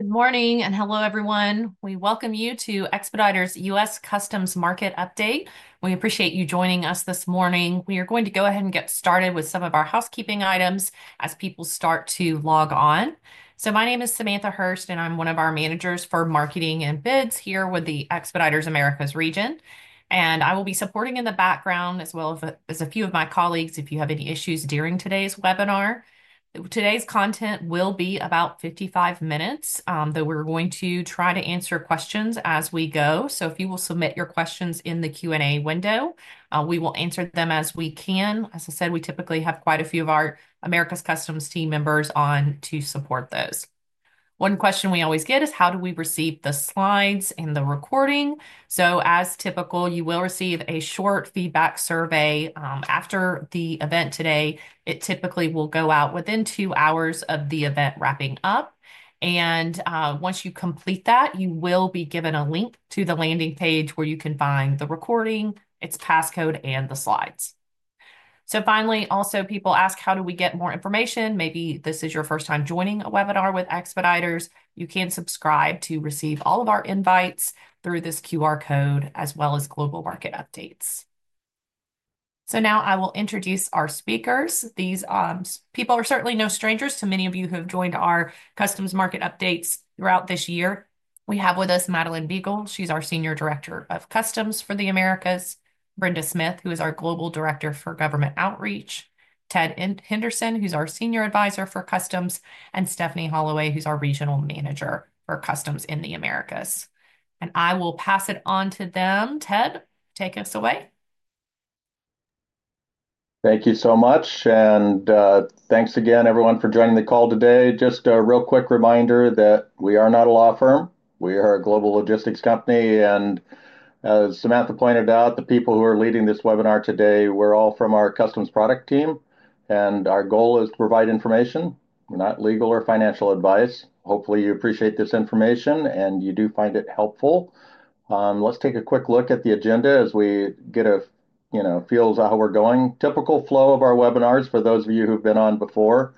Good morning and hello, everyone. We welcome you to Expeditors U.S. Customs Market Update. We appreciate you joining us this morning. We are going to go ahead and get started with some of our housekeeping items as people start to log on. My name is Samantha Hurst, and I'm one of our managers for marketing and bids here with the Expeditors Americas region. I will be supporting in the background, as well as a few of my colleagues, if you have any issues during today's webinar. Today's content will be about 55 minutes, though we're going to try to answer questions as we go. If you will submit your questions in the Q&A window, we will answer them as we can. As I said, we typically have quite a few of our Americas Customs team members on to support those. One question we always get is, how do we receive the slides and the recording? As typical, you will receive a short feedback survey after the event today. It typically will go out within two hours of the event wrapping up. Once you complete that, you will be given a link to the landing page where you can find the recording, its passcode, and the slides. Finally, also people ask, how do we get more information? Maybe this is your first time joining a webinar with Expeditors. You can subscribe to receive all of our invites through this QR code, as well as global market updates. Now I will introduce our speakers. These people are certainly no strangers to many of you who have joined our customs market updates throughout this year. We have with us Madeleine Beagle. She's our Senior Director of Customs for the Americas. Brenda Smith, who is our Global Director for Government Outreach. Ted Henderson, who's our Senior Advisor for Customs. Stephanie Holloway, who's our Regional Manager for Customs in the Americas. I will pass it on to them. Ted, take us away. Thank you so much. Thanks again, everyone, for joining the call today. Just a real quick reminder that we are not a law firm. We are a global logistics company. As Samantha pointed out, the people who are leading this webinar today, we're all from our customs product team. Our goal is to provide information. We are not legal or financial advice. Hopefully, you appreciate this information and you do find it helpful. Let's take a quick look at the agenda as we get a feel of how we're going. Typical flow of our webinars for those of you who've been on before.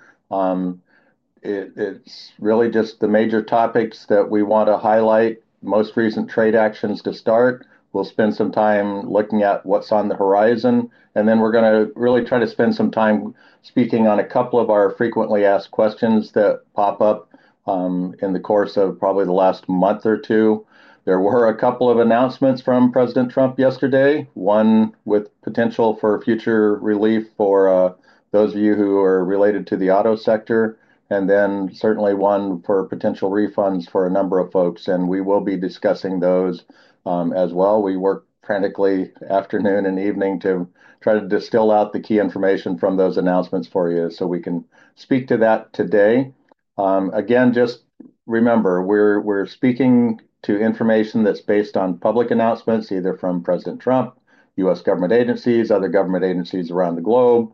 It's really just the major topics that we want to highlight, most recent trade actions to start. We'll spend some time looking at what's on the horizon. We're going to really try to spend some time speaking on a couple of our frequently asked questions that pop up in the course of probably the last month or two. There were a couple of announcements from President Trump yesterday, one with potential for future relief for those of you who are related to the auto sector, and certainly one for potential refunds for a number of folks. We will be discussing those as well. We work frantically afternoon and evening to try to distill out the key information from those announcements for you so we can speak to that today. Again, just remember, we're speaking to information that's based on public announcements, either from President Trump, U.S. government agencies, other government agencies around the globe.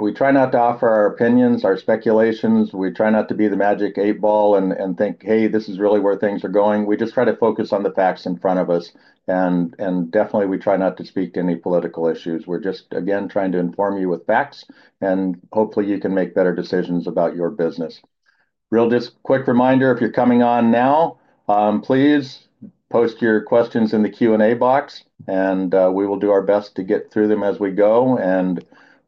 We try not to offer our opinions, our speculations. We try not to be the magic eight ball and think, hey, this is really where things are going. We just try to focus on the facts in front of us. Definitely, we try not to speak to any political issues. We're just, again, trying to inform you with facts, and hopefully you can make better decisions about your business. Real quick reminder, if you're coming on now, please post your questions in the Q&A box, and we will do our best to get through them as we go.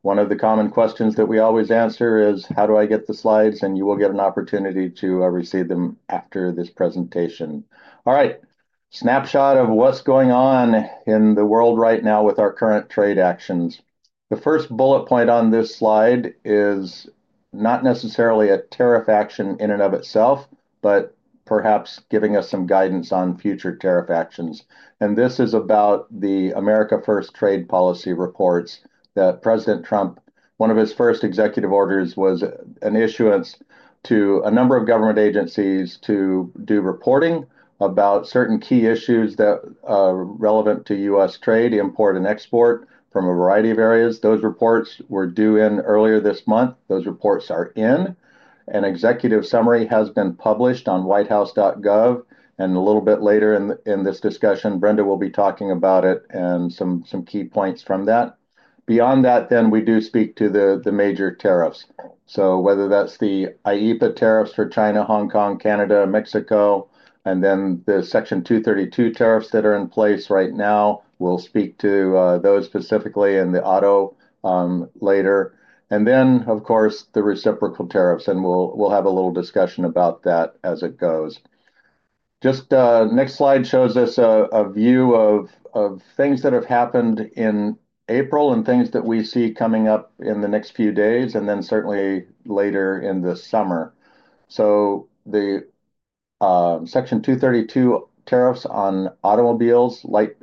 One of the common questions that we always answer is, how do I get the slides? You will get an opportunity to receive them after this presentation. All right, snapshot of what's going on in the world right now with our current trade actions. The first bullet point on this slide is not necessarily a tariff action in and of itself, but perhaps giving us some guidance on future tariff actions. This is about the America First trade policy reports that President Trump, one of his first executive orders, was an issuance to a number of government agencies to do reporting about certain key issues that are relevant to U.S. trade, import and export from a variety of areas. Those reports were due in earlier this month. Those reports are in. An executive summary has been published on whitehouse.gov. A little bit later in this discussion, Brenda will be talking about it and some key points from that. Beyond that, then we do speak to the major tariffs. Whether that's the IEPA tariffs for China, Hong Kong, Canada, Mexico, and then the Section 232 tariffs that are in place right now, we'll speak to those specifically and the auto later. Of course, the reciprocal tariffs. We'll have a little discussion about that as it goes. The next slide shows us a view of things that have happened in April and things that we see coming up in the next few days, and certainly later in the summer. The Section 232 tariffs on automobiles, light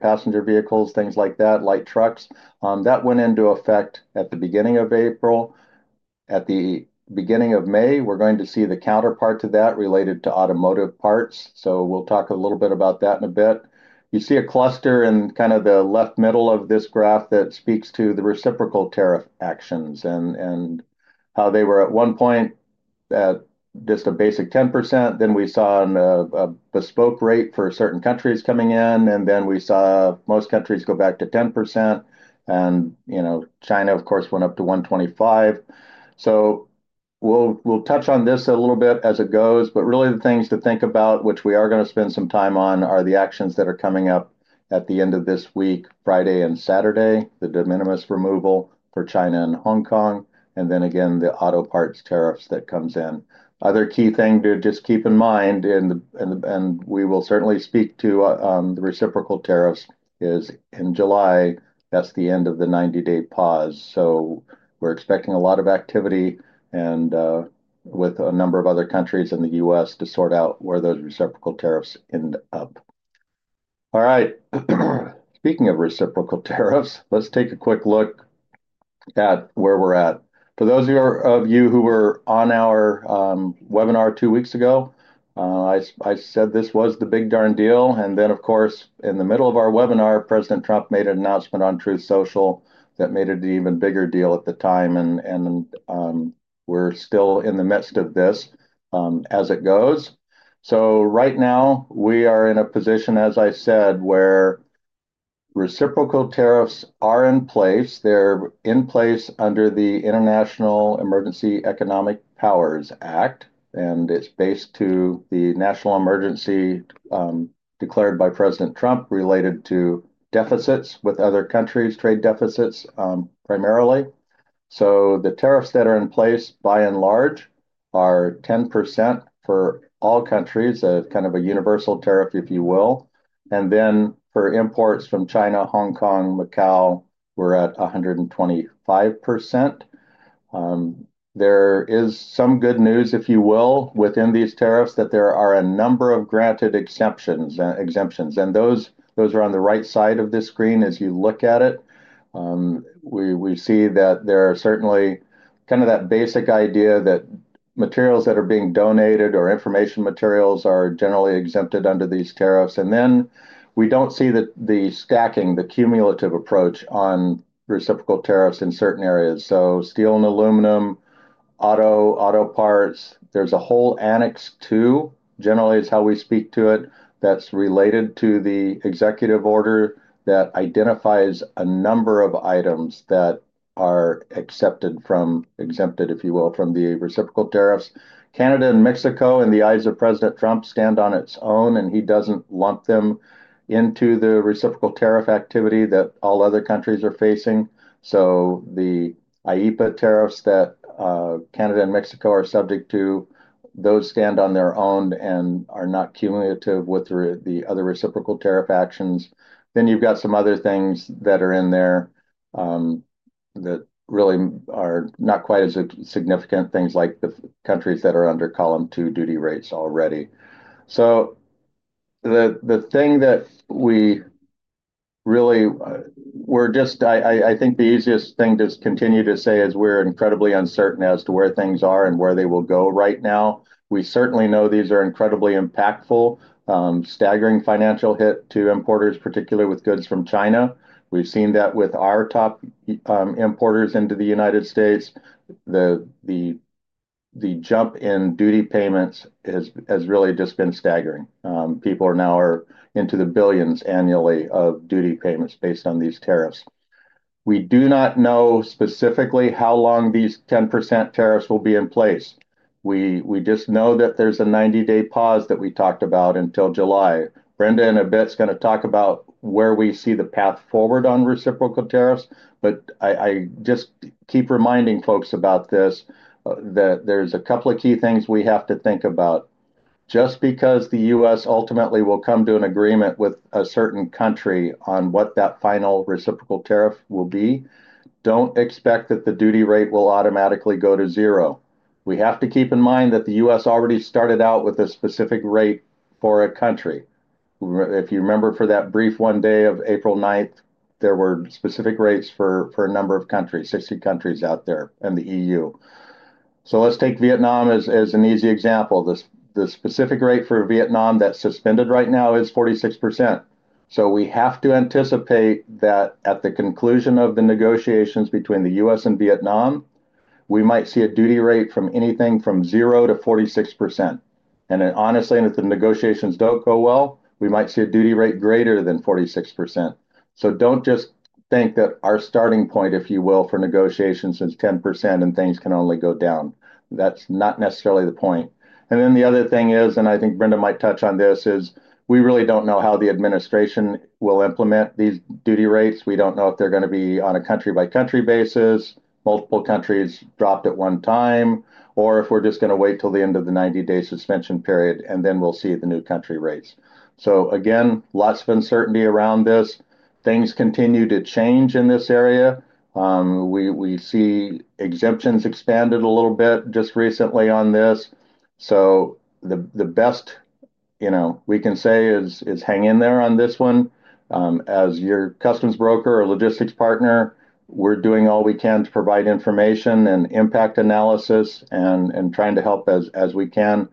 passenger vehicles, things like that, light trucks, that went into effect at the beginning of April. At the beginning of May, we're going to see the counterpart to that related to automotive parts. We'll talk a little bit about that in a bit. You see a cluster in kind of the left middle of this graph that speaks to the reciprocal tariff actions and how they were at one point at just a basic 10%. Then we saw a bespoke rate for certain countries coming in, and then we saw most countries go back to 10%. China, of course, went up to 125%. We will touch on this a little bit as it goes. Really, the things to think about, which we are going to spend some time on, are the actions that are coming up at the end of this week, Friday and Saturday, the de minimis removal for China and Hong Kong, and then again, the auto parts tariffs that come in. Other key thing to just keep in mind, and we will certainly speak to the reciprocal tariffs, is in July, that's the end of the 90-day pause. We're expecting a lot of activity with a number of other countries in the U.S. to sort out where those reciprocal tariffs end up. All right, speaking of reciprocal tariffs, let's take a quick look at where we're at. For those of you who were on our webinar two weeks ago, I said this was the big darn deal. Of course, in the middle of our webinar, President Trump made an announcement on Truth Social that made it an even bigger deal at the time. We're still in the midst of this as it goes. Right now, we are in a position, as I said, where reciprocal tariffs are in place. They're in place under the International Emergency Economic Powers Act. It's based on the national emergency declared by President Trump related to deficits with other countries, trade deficits primarily. The tariffs that are in place, by and large, are 10% for all countries, kind of a universal tariff, if you will. For imports from China, Hong Kong, Macau, we're at 125%. There is some good news, if you will, within these tariffs that there are a number of granted exemptions. Those are on the right side of this screen as you look at it. We see that there are certainly kind of that basic idea that materials that are being donated or information materials are generally exempted under these tariffs. We do not see the stacking, the cumulative approach on reciprocal tariffs in certain areas. Steel and aluminum, auto parts, there's a whole annex two, generally is how we speak to it, that's related to the executive order that identifies a number of items that are exempted, if you will, from the reciprocal tariffs. Canada and Mexico, in the eyes of President Trump, stand on its own, and he doesn't lump them into the reciprocal tariff activity that all other countries are facing. The IEPA tariffs that Canada and Mexico are subject to, those stand on their own and are not cumulative with the other reciprocal tariff actions. You've got some other things that are in there that really are not quite as significant, things like the countries that are under column two duty rates already. The thing that we really, I think the easiest thing to continue to say is we're incredibly uncertain as to where things are and where they will go right now. We certainly know these are incredibly impactful, staggering financial hit to importers, particularly with goods from China. We've seen that with our top importers into the United States. The jump in duty payments has really just been staggering. People now are into the billions annually of duty payments based on these tariffs. We do not know specifically how long these 10% tariffs will be in place. We just know that there's a 90-day pause that we talked about until July. Brenda in a bit is going to talk about where we see the path forward on reciprocal tariffs. I just keep reminding folks about this, that there's a couple of key things we have to think about. Just because the U.S. ultimately will come to an agreement with a certain country on what that final reciprocal tariff will be, don't expect that the duty rate will automatically go to zero. We have to keep in mind that the U.S. already started out with a specific rate for a country. If you remember, for that brief one day of April 9th, there were specific rates for a number of countries, 60 countries out there in the European Union. Let's take Vietnam as an easy example. The specific rate for Vietnam that's suspended right now is 46%. We have to anticipate that at the conclusion of the negotiations between the U.S. and Vietnam, we might see a duty rate from anything from zero to 46%. Honestly, if the negotiations don't go well, we might see a duty rate greater than 46%. Don't just think that our starting point, if you will, for negotiations is 10% and things can only go down. That's not necessarily the point. The other thing is, and I think Brenda might touch on this, we really don't know how the administration will implement these duty rates. We don't know if they're going to be on a country-by-country basis, multiple countries dropped at one time, or if we're just going to wait till the end of the 90-day suspension period, and then we'll see the new country rates. Again, lots of uncertainty around this. Things continue to change in this area. We see exemptions expanded a little bit just recently on this. The best we can say is hang in there on this one. As your customs broker or logistics partner, we're doing all we can to provide information and impact analysis and trying to help as we can.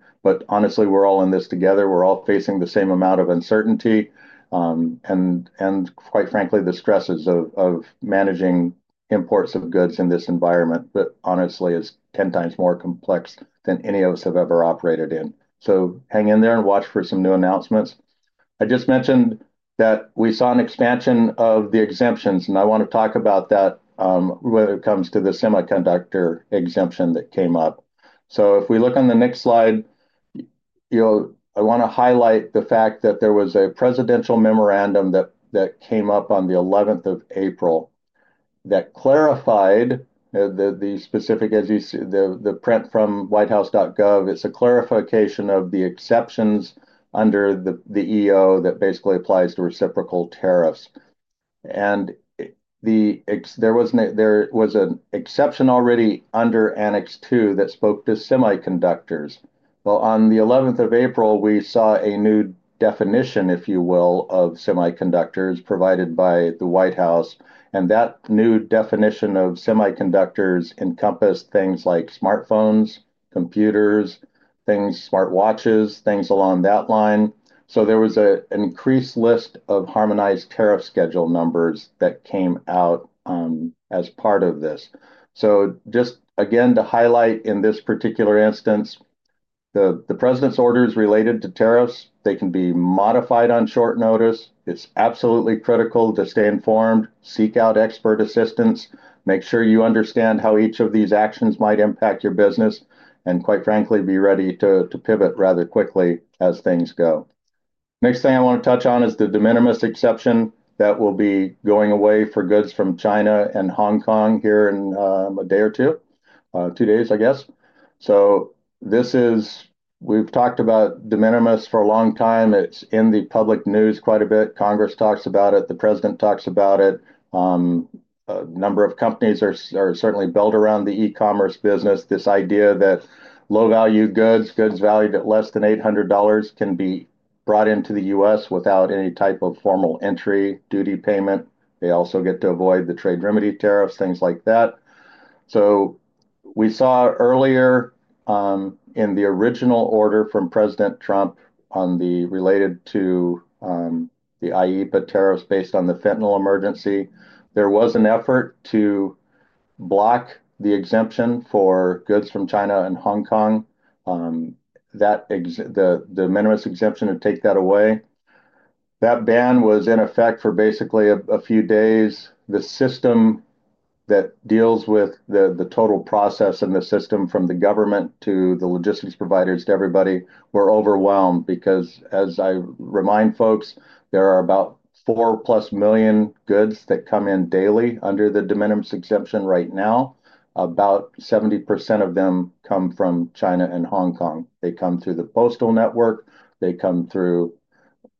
Honestly, we're all in this together. We're all facing the same amount of uncertainty and, quite frankly, the stresses of managing imports of goods in this environment that honestly is 10 times more complex than any of us have ever operated in. Hang in there and watch for some new announcements. I just mentioned that we saw an expansion of the exemptions, and I want to talk about that when it comes to the semiconductor exemption that came up. If we look on the next slide, I want to highlight the fact that there was a presidential memorandum that came up on the 11th of April that clarified the specific, as you see the print from whitehouse.gov. It's a clarification of the exceptions under the EO that basically applies to reciprocal tariffs. There was an exception already under Annex Two that spoke to semiconductors. On the 11th of April, we saw a new definition, if you will, of semiconductors provided by the White House. That new definition of semiconductors encompassed things like smartphones, computers, smartwatches, things along that line. There was an increased list of harmonized tariff schedule numbers that came out as part of this. Just again, to highlight in this particular instance, the president's orders related to tariffs, they can be modified on short notice. It's absolutely critical to stay informed, seek out expert assistance, make sure you understand how each of these actions might impact your business, and quite frankly, be ready to pivot rather quickly as things go. Next thing I want to touch on is the de minimis exception that will be going away for goods from China and Hong Kong here in a day or two, two days, I guess. We've talked about de minimis for a long time. It's in the public news quite a bit. Congress talks about it. The president talks about it. A number of companies are certainly built around the e-commerce business. This idea that low-value goods, goods valued at less than $800, can be brought into the U.S. without any type of formal entry duty payment. They also get to avoid the trade remedy tariffs, things like that. We saw earlier in the original order from President Trump related to the IEPA tariffs based on the fentanyl emergency, there was an effort to block the exemption for goods from China and Hong Kong. The de minimis exemption to take that away. That ban was in effect for basically a few days. The system that deals with the total process and the system from the government to the logistics providers to everybody were overwhelmed because, as I remind folks, there are about four-plus million goods that come in daily under the de minimis exemption right now. About 70% of them come from China and Hong Kong. They come through the postal network. They come through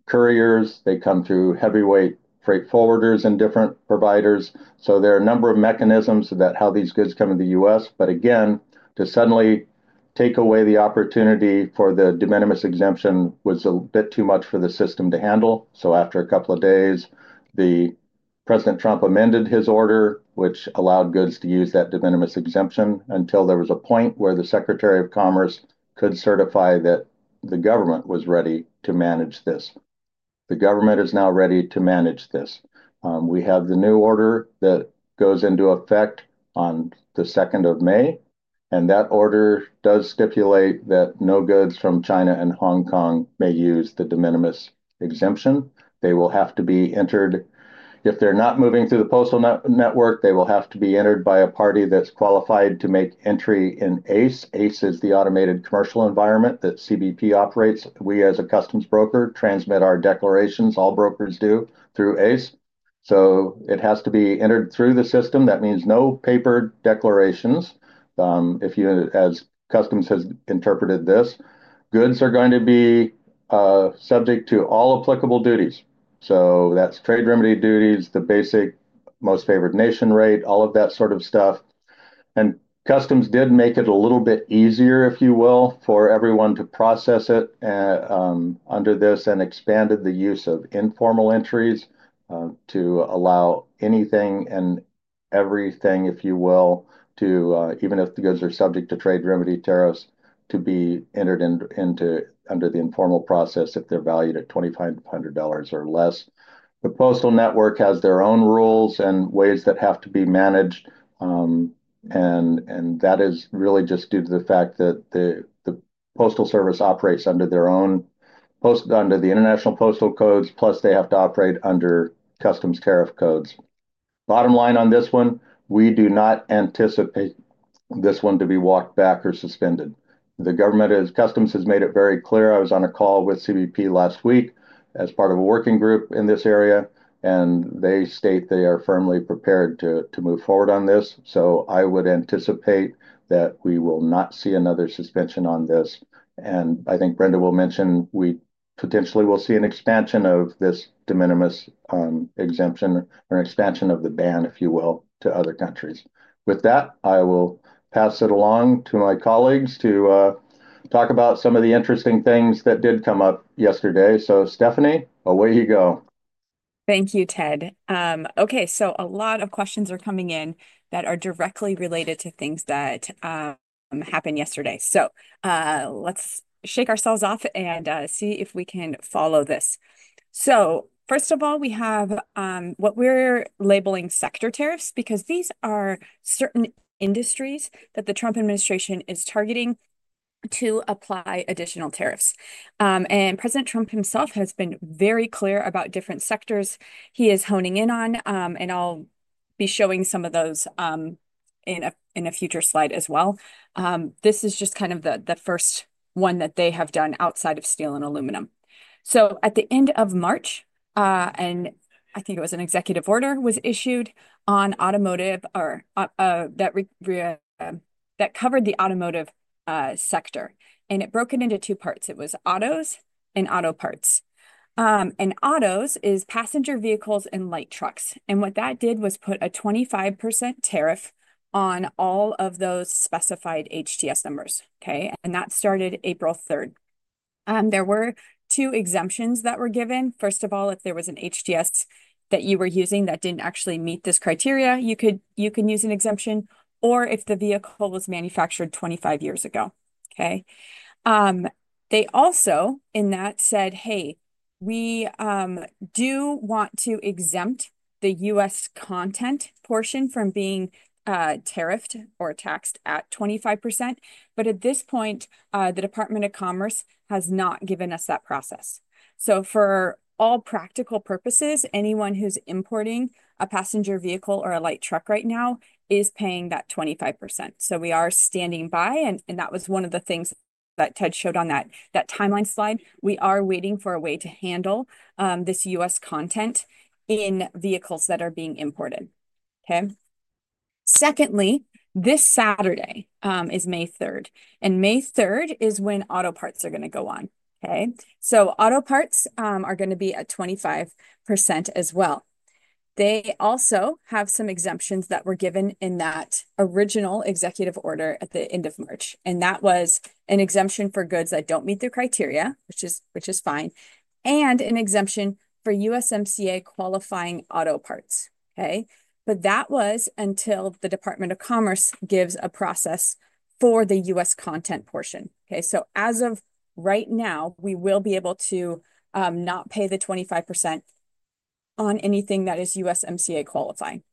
couriers. They come through heavyweight freight forwarders and different providers. There are a number of mechanisms about how these goods come to the U.S. Again, to suddenly take away the opportunity for the de minimis exemption was a bit too much for the system to handle. After a couple of days, President Trump amended his order, which allowed goods to use that de minimis exemption until there was a point where the Secretary of Commerce could certify that the government was ready to manage this. The government is now ready to manage this. We have the new order that goes into effect on the 2nd of May. That order does stipulate that no goods from China and Hong Kong may use the de minimis exemption. They will have to be entered. If they're not moving through the postal network, they will have to be entered by a party that's qualified to make entry in ACE. ACE is the Automated Commercial Environment that CBP operates. We, as a customs broker, transmit our declarations. All brokers do through ACE. It has to be entered through the system. That means no paper declarations, as customs has interpreted this. Goods are going to be subject to all applicable duties. That is trade remedy duties, the basic most favored nation rate, all of that sort of stuff. Customs did make it a little bit easier, if you will, for everyone to process it under this and expanded the use of informal entries to allow anything and everything, if you will, even if the goods are subject to trade remedy tariffs, to be entered under the informal process if they're valued at $2,500 or less. The postal network has their own rules and ways that have to be managed. That is really just due to the fact that the postal service operates under the international postal codes, plus they have to operate under customs tariff codes. Bottom line on this one, we do not anticipate this one to be walked back or suspended. The government, customs has made it very clear. I was on a call with CBP last week as part of a working group in this area. They state they are firmly prepared to move forward on this. I would anticipate that we will not see another suspension on this. I think Brenda will mention we potentially will see an expansion of this de minimis exemption or expansion of the ban, if you will, to other countries. With that, I will pass it along to my colleagues to talk about some of the interesting things that did come up yesterday. Stephanie, away you go. Thank you, Ted. Okay, a lot of questions are coming in that are directly related to things that happened yesterday. Let's shake ourselves off and see if we can follow this. First of all, we have what we're labeling sector tariffs because these are certain industries that the Trump administration is targeting to apply additional tariffs. President Trump himself has been very clear about different sectors he is honing in on. I'll be showing some of those in a future slide as well. This is just kind of the first one that they have done outside of steel and aluminum. At the end of March, I think it was an executive order was issued on automotive that covered the automotive sector. It broke it into two parts. It was autos and auto parts. Autos is passenger vehicles and light trucks. What that did was put a 25% tariff on all of those specified HTS numbers. That started April 3rd. There were two exemptions that were given. First of all, if there was an HTS that you were using that did not actually meet this criteria, you can use an exemption. Or if the vehicle was manufactured 25 years ago. Okay? They also in that said, "Hey, we do want to exempt the U.S. content portion from being tariffed or taxed at 25%." At this point, the Department of Commerce has not given us that process. For all practical purposes, anyone who is importing a passenger vehicle or a light truck right now is paying that 25%. We are standing by. That was one of the things that Ted showed on that timeline slide. We are waiting for a way to handle this U.S. content in vehicles that are being imported. Okay? Secondly, this Saturday is May 3rd. May 3rd is when auto parts are going to go on. Auto parts are going to be at 25% as well. They also have some exemptions that were given in that original executive order at the end of March. That was an exemption for goods that do not meet the criteria, which is fine, and an exemption for USMCA qualifying auto parts. That was until the Department of Commerce gives a process for the U.S. content portion. As of right now, we will be able to not pay the 25% on anything that is USMCA qualifying.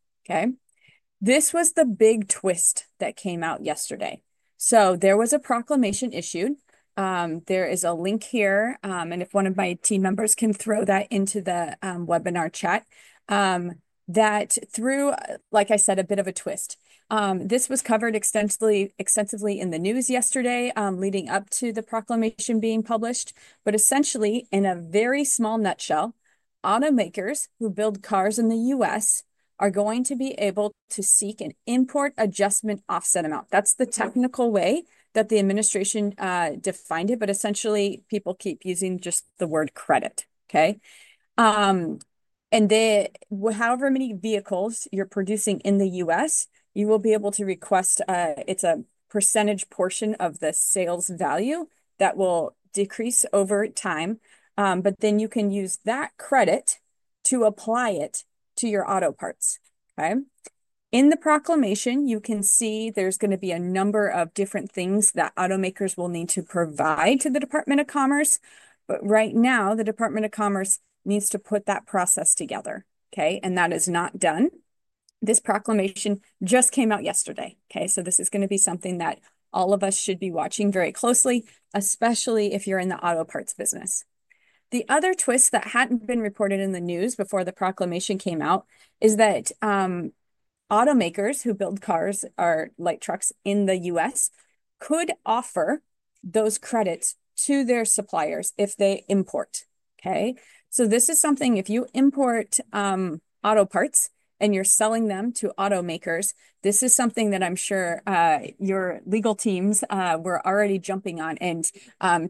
This was the big twist that came out yesterday. There was a proclamation issued. There is a link here. If one of my team members can throw that into the webinar chat, that, like I said, is a bit of a twist. This was covered extensively in the news yesterday leading up to the proclamation being published. Essentially, in a very small nutshell, automakers who build cars in the U.S. are going to be able to seek an import adjustment offset amount. That is the technical way that the administration defined it. Essentially, people keep using just the word credit. Okay? However many vehicles you're producing in the U.S., you will be able to request it is a percentage portion of the sales value that will decrease over time. You can use that credit to apply it to your auto parts. Okay? In the proclamation, you can see there is going to be a number of different things that automakers will need to provide to the Department of Commerce. Right now, the Department of Commerce needs to put that process together. That is not done. This proclamation just came out yesterday. Okay? This is going to be something that all of us should be watching very closely, especially if you're in the auto parts business. The other twist that had not been reported in the news before the proclamation came out is that automakers who build cars or light trucks in the U.S. could offer those credits to their suppliers if they import. Okay? This is something if you import auto parts and you're selling them to automakers, this is something that I'm sure your legal teams were already jumping on and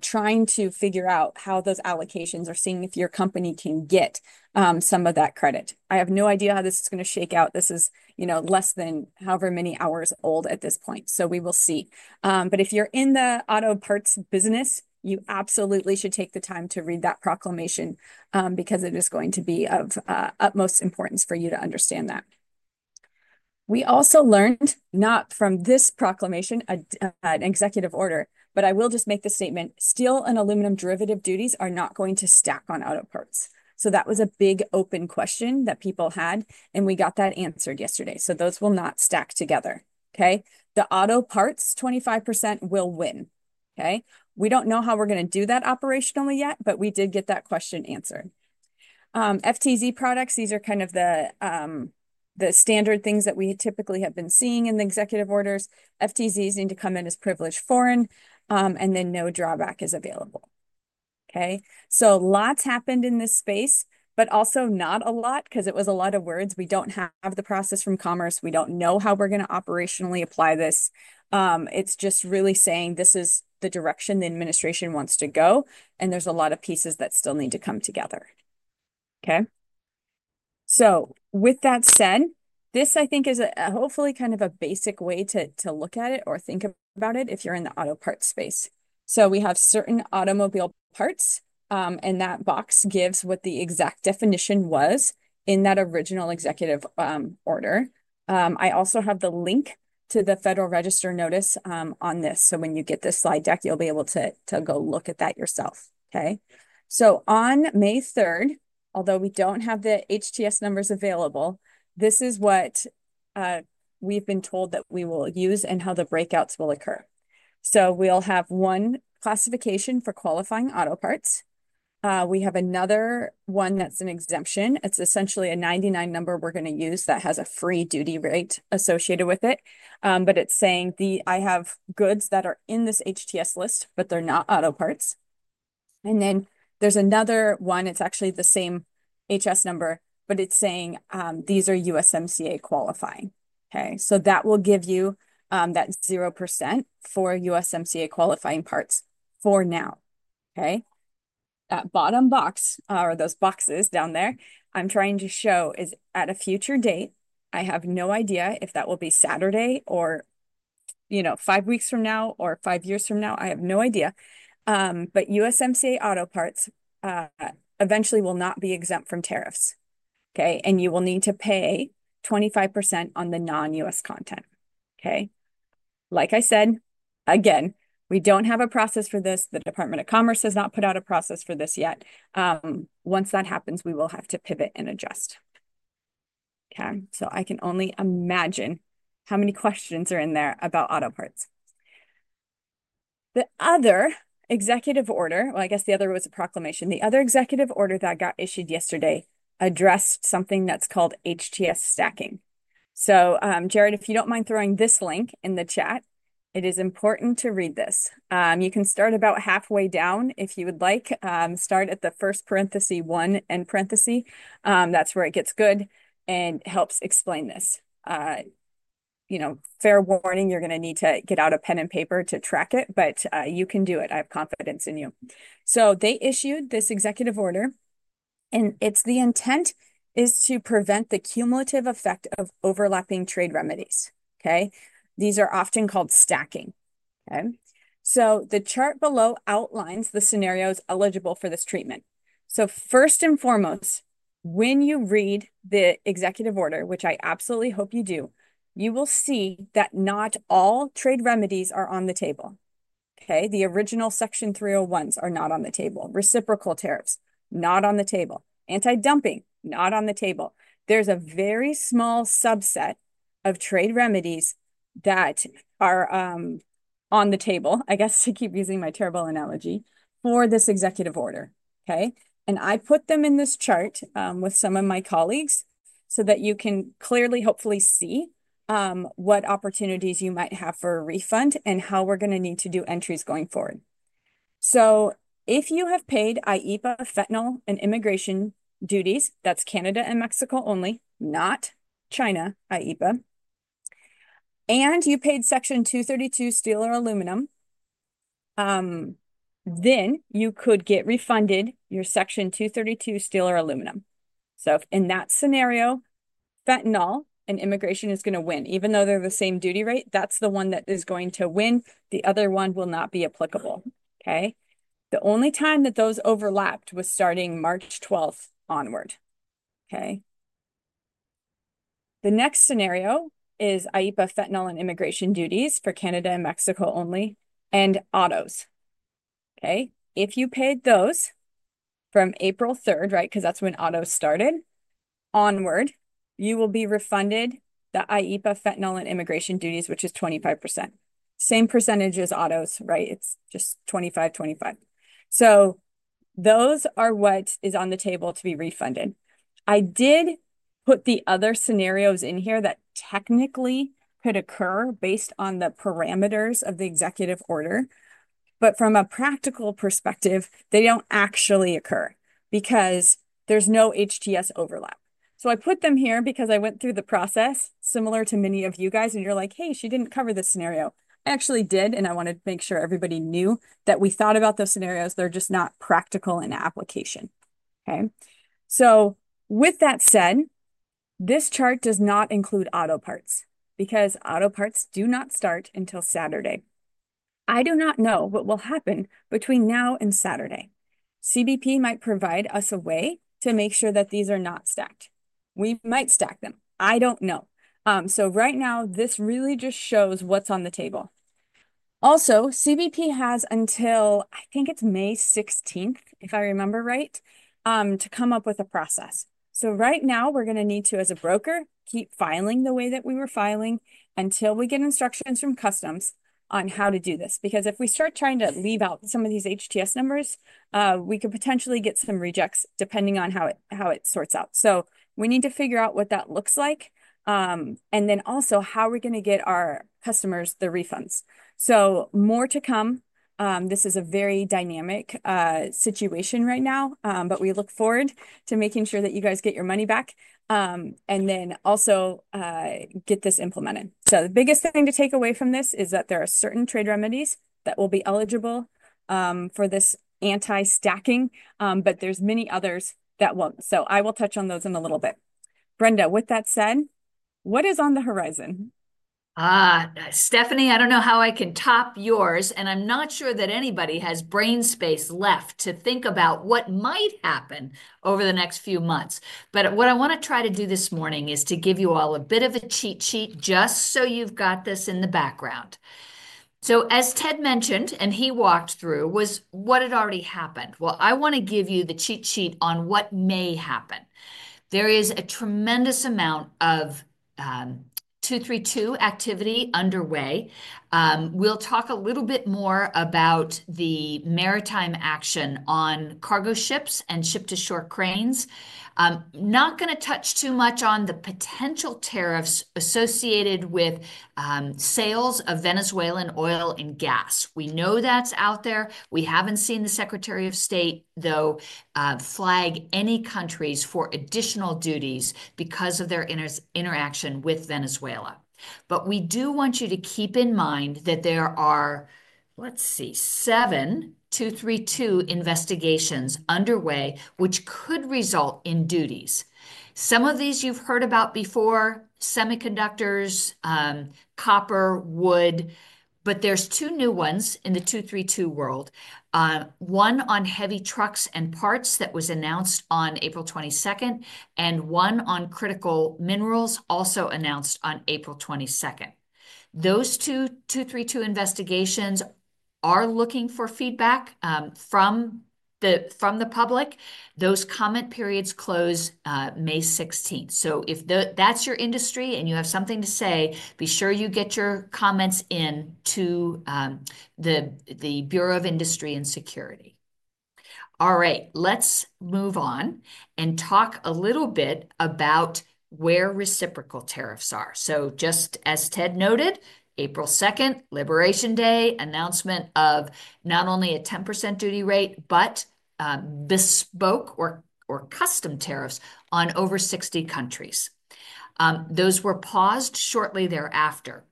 trying to figure out how those allocations are, seeing if your company can get some of that credit. I have no idea how this is going to shake out. This is less than however many hours old at this point. We will see. If you're in the auto parts business, you absolutely should take the time to read that proclamation because it is going to be of utmost importance for you to understand that. We also learned, not from this proclamation, an executive order, but I will just make the statement, steel and aluminum derivative duties are not going to stack on auto parts. That was a big open question that people had. We got that answered yesterday. Those will not stack together. The auto parts 25% will win. We don't know how we're going to do that operationally yet, but we did get that question answered. FTZ products, these are kind of the standard things that we typically have been seeing in the executive orders. FTZs need to come in as privileged foreign. No drawback is available. Lots happened in this space, but also not a lot because it was a lot of words. We do not have the process from Commerce. We do not know how we are going to operationally apply this. It is just really saying this is the direction the administration wants to go. There are a lot of pieces that still need to come together. Okay? With that said, this I think is hopefully kind of a basic way to look at it or think about it if you are in the auto parts space. We have certain automobile parts. That box gives what the exact definition was in that original executive order. I also have the link to the Federal Register notice on this. When you get this slide deck, you will be able to go look at that yourself. Okay? On May 3, although we do not have the HTS numbers available, this is what we have been told that we will use and how the breakouts will occur. We will have one classification for qualifying auto parts. We have another one that is an exemption. It is essentially a 99 number we are going to use that has a free duty rate associated with it. It is saying I have goods that are in this HTS list, but they are not auto parts. There is another one. It is actually the same HS number, but it is saying these are USMCA qualifying. That will give you that 0% for USMCA qualifying parts for now. That bottom box or those boxes down there I am trying to show is at a future date. I have no idea if that will be Saturday or five weeks from now or five years from now. I have no idea. USMCA auto parts eventually will not be exempt from tariffs. Okay? You will need to pay 25% on the non-U.S. content. Okay? Like I said, again, we do not have a process for this. The Department of Commerce has not put out a process for this yet. Once that happens, we will have to pivot and adjust. Okay? I can only imagine how many questions are in there about auto parts. The other executive order, I guess the other was a proclamation. The other executive order that got issued yesterday addressed something that is called HTS stacking. Jared, if you do not mind throwing this link in the chat, it is important to read this. You can start about halfway down if you would like. Start at the first parenthesis, one, and parenthesis. That is where it gets good and helps explain this. Fair warning, you're going to need to get out a pen and paper to track it, but you can do it. I have confidence in you. They issued this executive order. The intent is to prevent the cumulative effect of overlapping trade remedies. Okay? These are often called stacking. Okay? The chart below outlines the scenarios eligible for this treatment. First and foremost, when you read the executive order, which I absolutely hope you do, you will see that not all trade remedies are on the table. Okay? The original Section 301s are not on the table. Reciprocal tariffs, not on the table. Anti-dumping, not on the table. There is a very small subset of trade remedies that are on the table, I guess, to keep using my terrible analogy for this executive order. Okay? I put them in this chart with some of my colleagues so that you can clearly, hopefully, see what opportunities you might have for a refund and how we're going to need to do entries going forward. If you have paid IEPA, fentanyl, and immigration duties, that's Canada and Mexico only, not China IEPA, and you paid Section 232 steel or aluminum, then you could get refunded your Section 232 steel or aluminum. In that scenario, fentanyl and immigration is going to win. Even though they're the same duty rate, that's the one that is going to win. The other one will not be applicable. The only time that those overlapped was starting March 12th onward. The next scenario is IEPA, fentanyl, and immigration duties for Canada and Mexico only, and autos. If you paid those from April 3rd, right, because that's when autos started, onward, you will be refunded the IEPA, fentanyl, and immigration duties, which is 25%. Same percentage as autos, right? It's just 25, 25. So those are what is on the table to be refunded. I did put the other scenarios in here that technically could occur based on the parameters of the executive order. From a practical perspective, they don't actually occur because there's no HTS overlap. I put them here because I went through the process similar to many of you guys. You're like, "Hey, she didn't cover this scenario." I actually did. I wanted to make sure everybody knew that we thought about those scenarios. They're just not practical in application. Okay? With that said, this chart does not include auto parts because auto parts do not start until Saturday. I do not know what will happen between now and Saturday. CBP might provide us a way to make sure that these are not stacked. We might stack them. I do not know. Right now, this really just shows what is on the table. Also, CBP has until, I think it is May 16, if I remember right, to come up with a process. Right now, we are going to need to, as a broker, keep filing the way that we were filing until we get instructions from customs on how to do this. Because if we start trying to leave out some of these HTS numbers, we could potentially get some rejects depending on how it sorts out. We need to figure out what that looks like. Also, how we are going to get our customers the refunds. More to come. This is a very dynamic situation right now. We look forward to making sure that you guys get your money back and then also get this implemented. The biggest thing to take away from this is that there are certain trade remedies that will be eligible for this anti-stacking, but there are many others that will not. I will touch on those in a little bit. Brenda, with that said, what is on the horizon? Stephanie, I do not know how I can top yours. I am not sure that anybody has brain space left to think about what might happen over the next few months. What I want to try to do this morning is to give you all a bit of a cheat sheet just so you have this in the background. As Ted mentioned and he walked through, was what had already happened. I want to give you the cheat sheet on what may happen. There is a tremendous amount of 232 activity underway. We'll talk a little bit more about the maritime action on cargo ships and ship-to-shore cranes. Not going to touch too much on the potential tariffs associated with sales of Venezuelan oil and gas. We know that's out there. We haven't seen the Secretary of State, though, flag any countries for additional duties because of their interaction with Venezuela. We do want you to keep in mind that there are, let's see, seven 232 investigations underway, which could result in duties. Some of these you've heard about before: semiconductors, copper, wood. There are two new ones in the 232 world: one on heavy trucks and parts that was announced on April 22nd, and one on critical minerals also announced on April 22nd. Those two 232 investigations are looking for feedback from the public. Those comment periods close May 16th. If that's your industry and you have something to say, be sure you get your comments in to the Bureau of Industry and Security. All right. Let's move on and talk a little bit about where reciprocal tariffs are. Just as Ted noted, April 2nd, Liberation Day, announcement of not only a 10% duty rate, but bespoke or custom tariffs on over 60 countries. Those were paused shortly thereafter.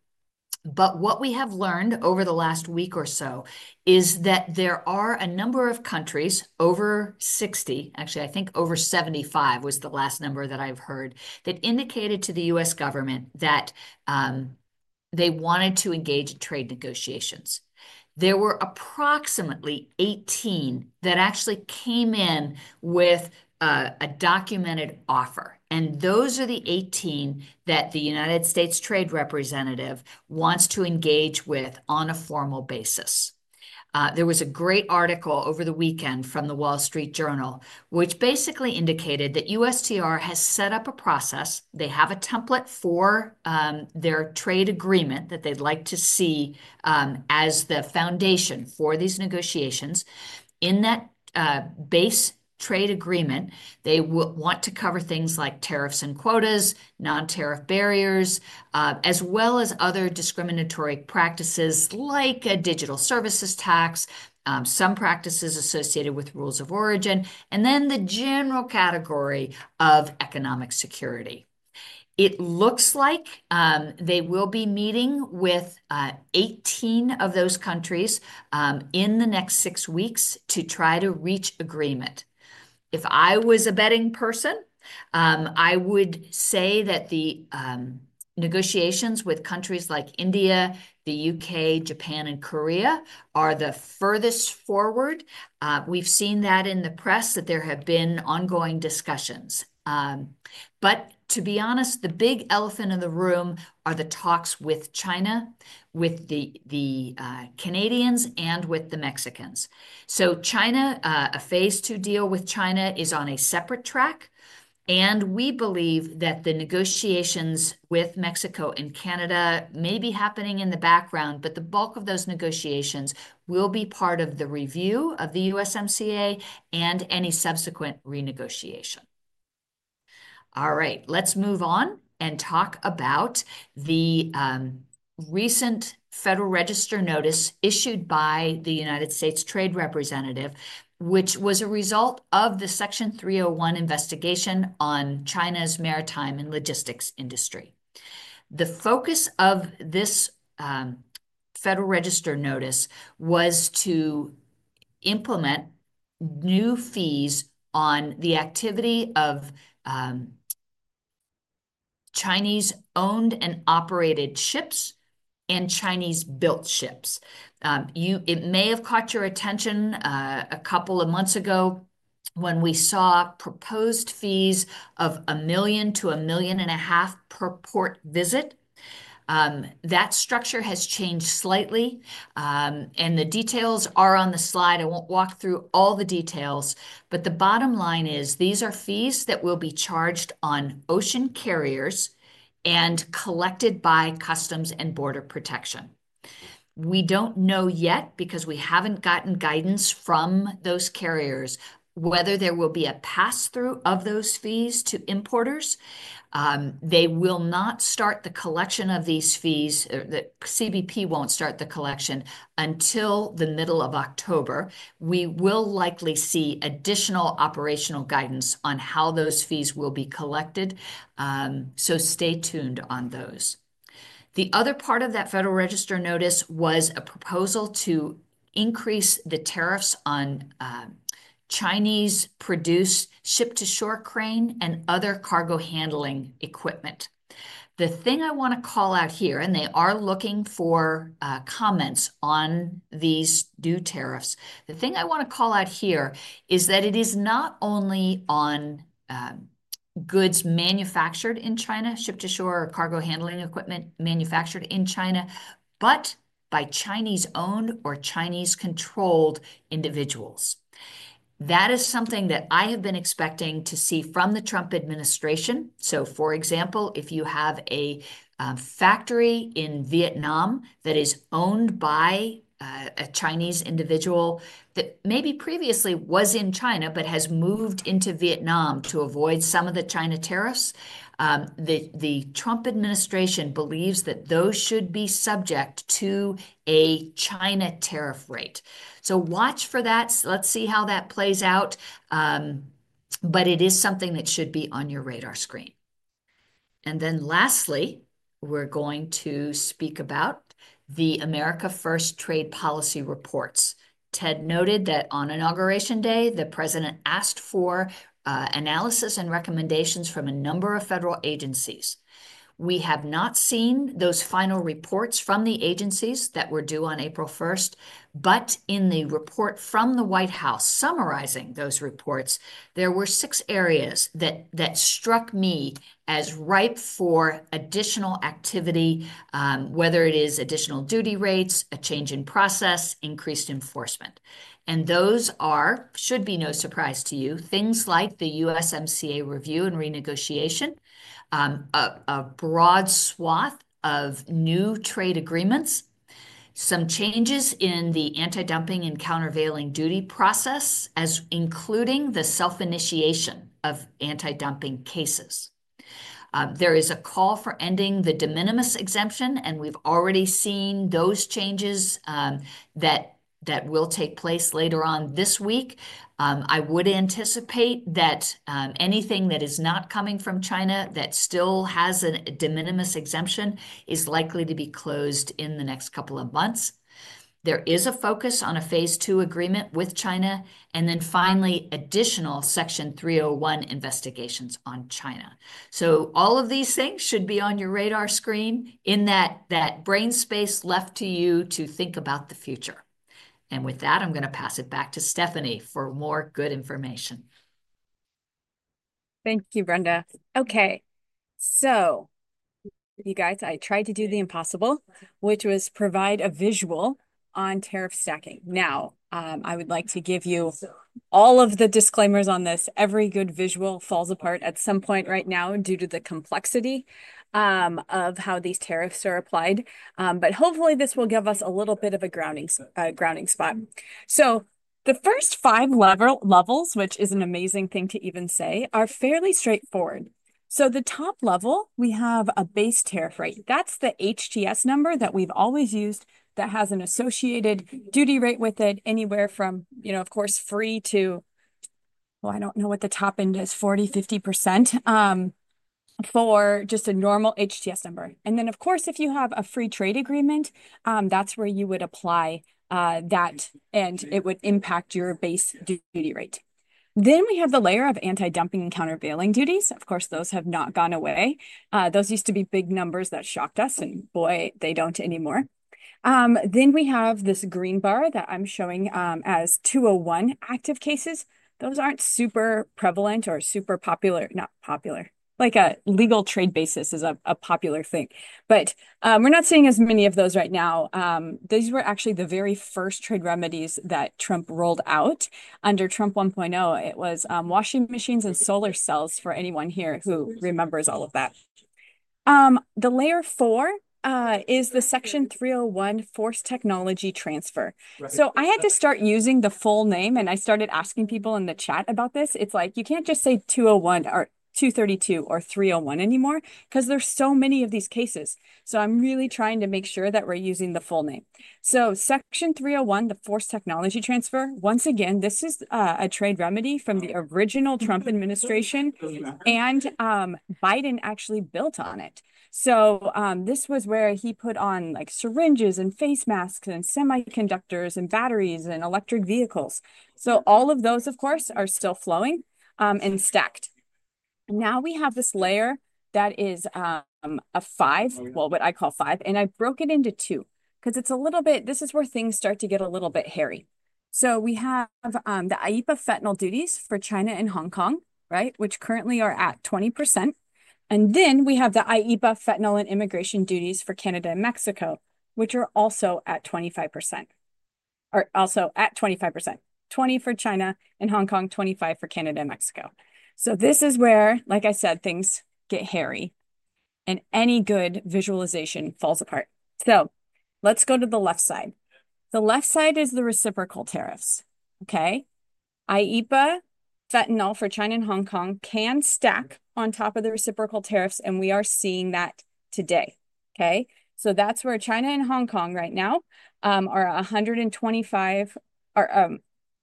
What we have learned over the last week or so is that there are a number of countries, over 60, actually, I think over 75 was the last number that I've heard, that indicated to the U.S. government that they wanted to engage in trade negotiations. There were approximately 18 that actually came in with a documented offer. Those are the 18 that the United States Trade Representative wants to engage with on a formal basis. There was a great article over the weekend from The Wall Street Journal, which basically indicated that USTR has set up a process. They have a template for their trade agreement that they'd like to see as the foundation for these negotiations. In that base trade agreement, they want to cover things like tariffs and quotas, non-tariff barriers, as well as other discriminatory practices like a digital services tax, some practices associated with rules of origin, and then the general category of economic security. It looks like they will be meeting with 18 of those countries in the next six weeks to try to reach agreement. If I was a betting person, I would say that the negotiations with countries like India, the U.K., Japan, and Korea are the furthest forward. We've seen that in the press that there have been ongoing discussions. To be honest, the big elephant in the room are the talks with China, with the Canadians, and with the Mexicans. China, a phase two deal with China, is on a separate track. We believe that the negotiations with Mexico and Canada may be happening in the background, but the bulk of those negotiations will be part of the review of the USMCA and any subsequent renegotiation. All right. Let's move on and talk about the recent Federal Register notice issued by the United States Trade Representative, which was a result of the Section 301 investigation on China's maritime and logistics industry. The focus of this Federal Register notice was to implement new fees on the activity of Chinese-owned and operated ships and Chinese-built ships. It may have caught your attention a couple of months ago when we saw proposed fees of $1 million to $1.5 million per port visit. That structure has changed slightly. The details are on the slide. I won't walk through all the details. The bottom line is these are fees that will be charged on ocean carriers and collected by U.S. Customs and Border Protection. We don't know yet because we haven't gotten guidance from those carriers whether there will be a pass-through of those fees to importers. They will not start the collection of these fees. CBP won't start the collection until the middle of October. We will likely see additional operational guidance on how those fees will be collected. Stay tuned on those. The other part of that Federal Register notice was a proposal to increase the tariffs on Chinese-produced ship-to-shore crane and other cargo handling equipment. The thing I want to call out here, and they are looking for comments on these due tariffs. The thing I want to call out here is that it is not only on goods manufactured in China, ship-to-shore or cargo handling equipment manufactured in China, but by Chinese-owned or Chinese-controlled individuals. That is something that I have been expecting to see from the Trump administration. For example, if you have a factory in Vietnam that is owned by a Chinese individual that maybe previously was in China but has moved into Vietnam to avoid some of the China tariffs, the Trump administration believes that those should be subject to a China tariff rate. Watch for that. Let's see how that plays out. It is something that should be on your radar screen. Lastly, we're going to speak about the America First trade policy reports. Ted noted that on Inauguration Day, the President asked for analysis and recommendations from a number of federal agencies. We have not seen those final reports from the agencies that were due on April 1st. In the report from the White House summarizing those reports, there were six areas that struck me as ripe for additional activity, whether it is additional duty rates, a change in process, increased enforcement. Those should be no surprise to you, things like the USMCA review and renegotiation, a broad swath of new trade agreements, some changes in the anti-dumping and countervailing duty process, including the self-initiation of anti-dumping cases. There is a call for ending the de minimis exemption. We have already seen those changes that will take place later on this week. I would anticipate that anything that is not coming from China that still has a de minimis exemption is likely to be closed in the next couple of months. There is a focus on a phase two agreement with China. Finally, additional Section 301 investigations on China. All of these things should be on your radar screen in that brain space left to you to think about the future. With that, I am going to pass it back to Stephanie for more good information. Thank you, Brenda. Okay. You guys, I tried to do the impossible, which was provide a visual on tariff stacking. I would like to give you all of the disclaimers on this. Every good visual falls apart at some point right now due to the complexity of how these tariffs are applied. But hopefully, this will give us a little bit of a grounding spot. The first five levels, which is an amazing thing to even say, are fairly straightforward. The top level, we have a base tariff rate. That's the HTS number that we've always used that has an associated duty rate with it anywhere from, of course, free to, well, I don't know what the top end is, 40-50% for just a normal HTS number. If you have a free trade agreement, that's where you would apply that, and it would impact your base duty rate. We have the layer of anti-dumping and countervailing duties. Of course, those have not gone away. Those used to be big numbers that shocked us. Boy, they don't anymore. We have this green bar that I'm showing as 201 active cases. Those aren't super prevalent or super popular, not popular. Legal trade basis is a popular thing. We're not seeing as many of those right now. These were actually the very first trade remedies that Trump rolled out under Trump 1.0. It was washing machines and solar cells for anyone here who remembers all of that. The layer four is the Section 301 forced technology transfer. I had to start using the full name, and I started asking people in the chat about this. It's like, you can't just say 201 or 232 or 301 anymore because there's so many of these cases. I'm really trying to make sure that we're using the full name. Section 301, the forced technology transfer, once again, this is a trade remedy from the original Trump administration. Biden actually built on it. This was where he put on syringes and face masks and semiconductors and batteries and electric vehicles. All of those, of course, are still flowing and stacked. Now we have this layer that is a five, well, what I call five. I broke it into two because it's a little bit, this is where things start to get a little bit hairy. We have the IEPA fentanyl duties for China and Hong Kong, right, which currently are at 20%. Then we have the IEPA fentanyl and immigration duties for Canada and Mexico, which are also at 25%, or also at 25%, 20% for China and Hong Kong, 25% for Canada and Mexico. This is where, like I said, things get hairy, and any good visualization falls apart. Let's go to the left side. The left side is the reciprocal tariffs. Okay? IEPA fentanyl for China and Hong Kong can stack on top of the reciprocal tariffs, and we are seeing that today. Okay? That's where China and Hong Kong right now are 125% or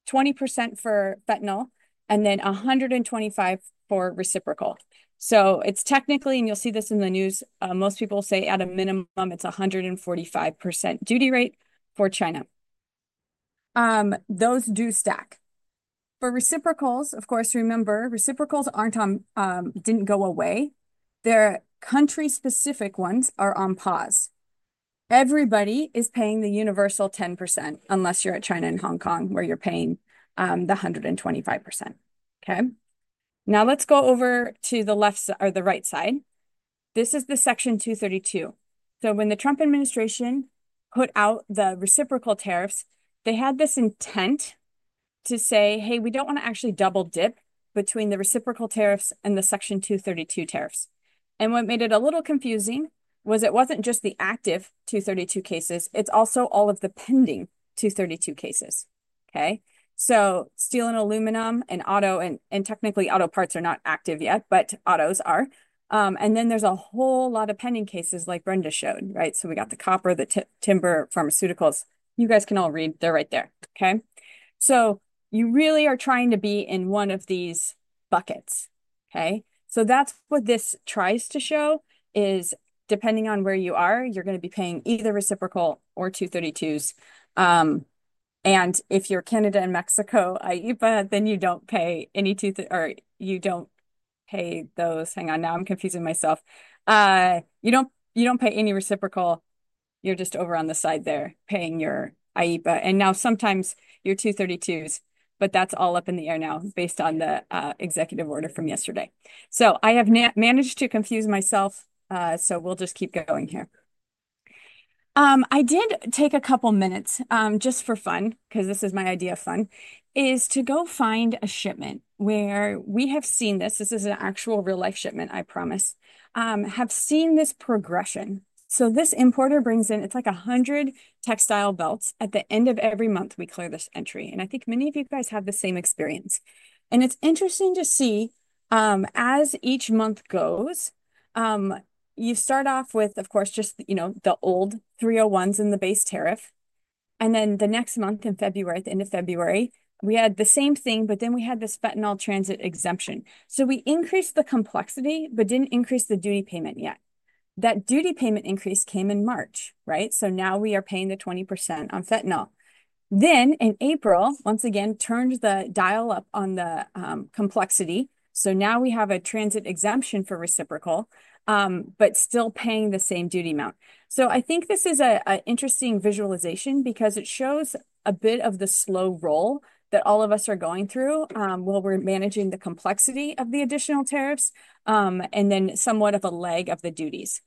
20% for fentanyl and then 125% for reciprocal. It's technically, and you'll see this in the news, most people say at a minimum, it's 145% duty rate for China. Those do stack. For reciprocals, of course, remember, reciprocals aren't on, didn't go away. Their country-specific ones are on pause. Everybody is paying the universal 10% unless you're at China and Hong Kong where you're paying the 125%. Okay? Now let's go over to the left or the right side. This is the Section 232. When the Trump administration put out the reciprocal tariffs, they had this intent to say, "Hey, we don't want to actually double dip between the reciprocal tariffs and the Section 232 tariffs." What made it a little confusing was it wasn't just the active 232 cases. It's also all of the pending 232 cases. Okay? Steel and aluminum and auto and technically auto parts are not active yet, but autos are. Then there's a whole lot of pending cases like Brenda showed, right? We got the copper, the timber, pharmaceuticals. You guys can all read. They're right there. Okay? You really are trying to be in one of these buckets. Okay? That's what this tries to show is depending on where you are, you're going to be paying either reciprocal or 232s. If you're Canada and Mexico, IEPA, then you don't pay any or you don't pay those. Hang on. Now I'm confusing myself. You don't pay any reciprocal. You're just over on the side there paying your IEPA. And now sometimes your 232s, but that's all up in the air now based on the executive order from yesterday. I have managed to confuse myself. We'll just keep going here. I did take a couple of minutes just for fun because this is my idea of fun is to go find a shipment where we have seen this. This is an actual real-life shipment, I promise. Have seen this progression. This importer brings in, it's like 100 textile belts. At the end of every month, we clear this entry. I think many of you guys have the same experience. It's interesting to see as each month goes, you start off with, of course, just the old 301s and the base tariff. The next month in February, at the end of February, we had the same thing, but then we had this fentanyl transit exemption. We increased the complexity, but didn't increase the duty payment yet. That duty payment increase came in March, right? Now we are paying the 20% on fentanyl. In April, once again, turned the dial up on the complexity. Now we have a transit exemption for reciprocal, but still paying the same duty amount. I think this is an interesting visualization because it shows a bit of the slow roll that all of us are going through while we're managing the complexity of the additional tariffs and then somewhat of a lag of the duties.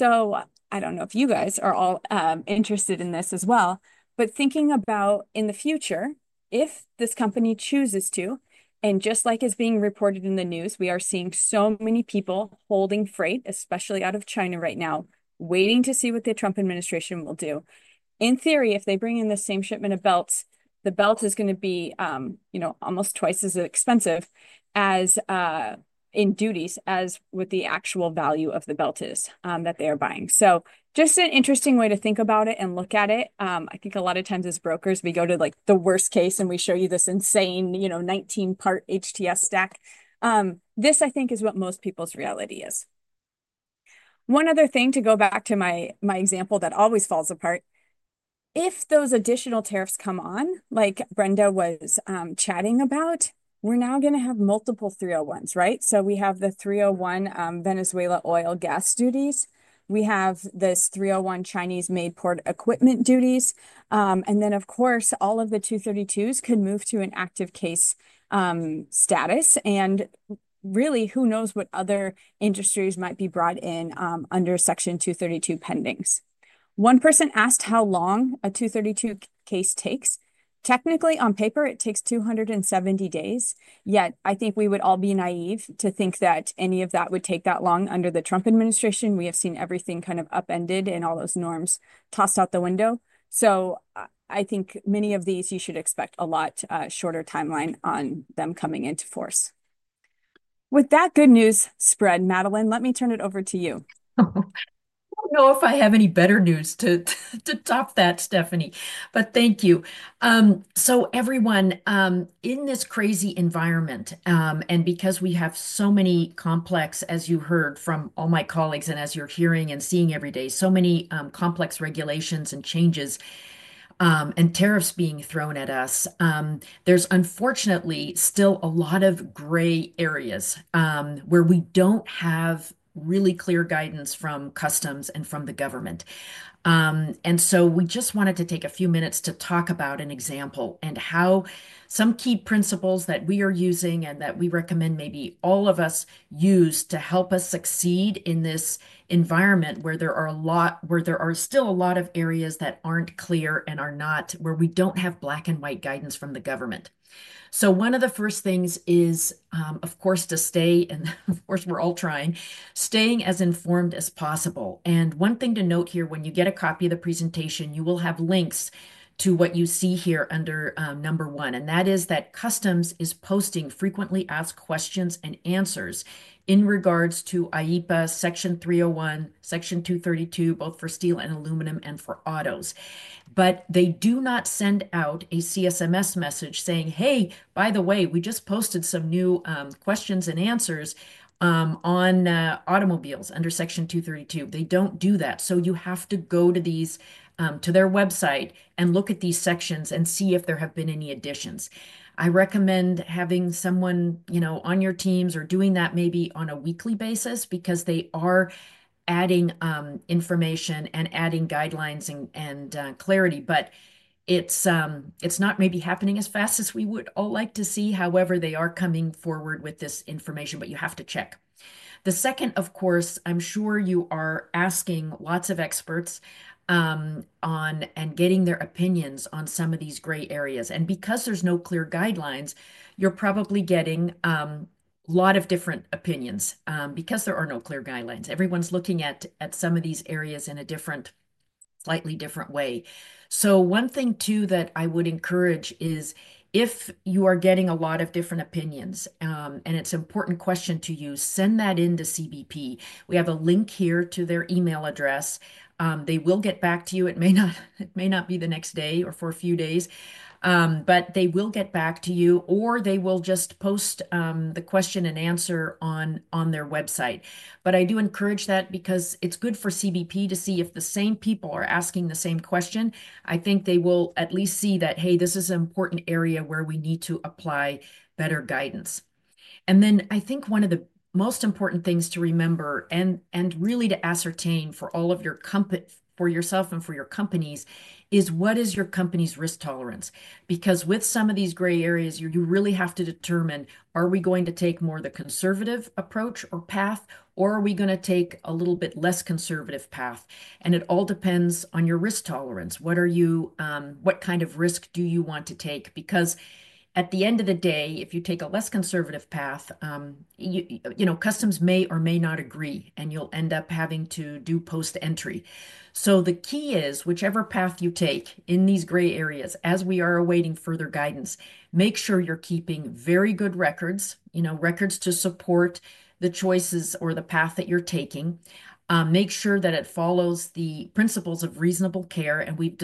I don't know if you guys are all interested in this as well. Thinking about in the future, if this company chooses to, and just like is being reported in the news, we are seeing so many people holding freight, especially out of China right now, waiting to see what the Trump administration will do. In theory, if they bring in the same shipment of belts, the belt is going to be almost twice as expensive in duties as with the actual value of the belts that they are buying. Just an interesting way to think about it and look at it. I think a lot of times as brokers, we go to the worst case and we show you this insane 19-part HTS stack. This, I think, is what most people's reality is. One other thing to go back to my example that always falls apart. If those additional tariffs come on, like Brenda was chatting about, we're now going to have multiple 301s, right? We have the 301 Venezuela oil gas duties. We have this 301 Chinese-made port equipment duties. Of course, all of the 232s could move to an active case status. Really, who knows what other industries might be brought in under Section 232 pendings. One person asked how long a 232 case takes. Technically, on paper, it takes 270 days. Yet I think we would all be naive to think that any of that would take that long under the Trump administration. We have seen everything kind of upended and all those norms tossed out the window. I think many of these, you should expect a lot shorter timeline on them coming into force. With that good news spread, Madeleine, let me turn it over to you. I don't know if I have any better news to top that, Stephanie. Thank you. Everyone, in this crazy environment, and because we have so many complex, as you heard from all my colleagues and as you're hearing and seeing every day, so many complex regulations and changes and tariffs being thrown at us, there's unfortunately still a lot of gray areas where we don't have really clear guidance from customs and from the government. We just wanted to take a few minutes to talk about an example and how some key principles that we are using and that we recommend maybe all of us use to help us succeed in this environment where there are still a lot of areas that aren't clear and are not where we don't have black and white guidance from the government. One of the first things is, of course, to stay, and of course, we're all trying, staying as informed as possible. One thing to note here, when you get a copy of the presentation, you will have links to what you see here under number one. That is that customs is posting frequently asked questions and answers in regards to IEPA, Section 301, Section 232, both for steel and aluminum and for autos. They do not send out a CSMS message saying, "Hey, by the way, we just posted some new questions and answers on automobiles under Section 232." They do not do that. You have to go to their website and look at these sections and see if there have been any additions. I recommend having someone on your teams or doing that maybe on a weekly basis because they are adding information and adding guidelines and clarity. It is not maybe happening as fast as we would all like to see, however, they are coming forward with this information, but you have to check. The second, of course, I'm sure you are asking lots of experts on and getting their opinions on some of these gray areas. Because there's no clear guidelines, you're probably getting a lot of different opinions because there are no clear guidelines. Everyone's looking at some of these areas in a slightly different way. One thing too that I would encourage is if you are getting a lot of different opinions, and it's an important question to you, send that in to CBP. We have a link here to their email address. They will get back to you. It may not be the next day or for a few days, but they will get back to you, or they will just post the question and answer on their website. I do encourage that because it's good for CBP to see if the same people are asking the same question. I think they will at least see that, "Hey, this is an important area where we need to apply better guidance." I think one of the most important things to remember and really to ascertain for all of yourself and for your companies is what is your company's risk tolerance? Because with some of these gray areas, you really have to determine, are we going to take more of the conservative approach or path, or are we going to take a little bit less conservative path? It all depends on your risk tolerance. What kind of risk do you want to take? Because at the end of the day, if you take a less conservative path, customs may or may not agree, and you'll end up having to do post-entry. The key is whichever path you take in these gray areas, as we are awaiting further guidance, make sure you're keeping very good records, records to support the choices or the path that you're taking. Make sure that it follows the principles of reasonable care. We've